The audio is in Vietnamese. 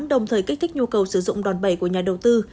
đồng thời kích thích nhu cầu sử dụng đòn bẩy của nhà đầu tư